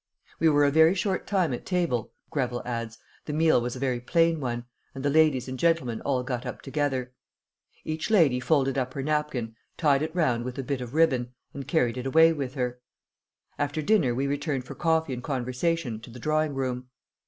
"We were a very short time at table," Greville adds; "the meal was a very plain one, and the ladies and gentlemen all got up together. Each lady folded up her napkin, tied it round with a bit of ribbon, and carried it away with her. After dinner we returned for coffee and conversation to the drawing room.